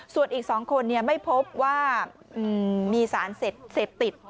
ส่วนอีก๒คนไม่พบว่ามีสารเสพติด